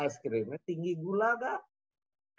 aiskrimnya tinggi gula gak